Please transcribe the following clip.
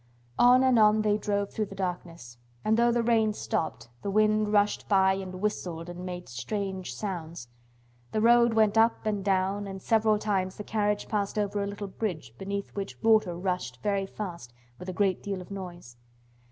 On and on they drove through the darkness, and though the rain stopped, the wind rushed by and whistled and made strange sounds. The road went up and down, and several times the carriage passed over a little bridge beneath which water rushed very fast with a great deal of noise.